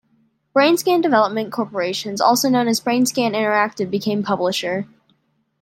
Brainscan Development Corporation, also known as Brainscan Interactive, became publisher.